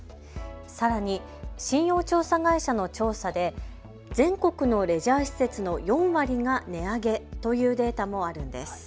さらに信用調査会社の調査で全国のレジャー施設の４割が値上げというデータもあるんです。